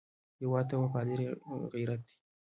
هېواد ته وفاداري غیرت دی